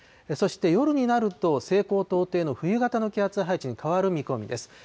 そして、夜になると、西高東低の冬型の気圧配置に変わる見込みです。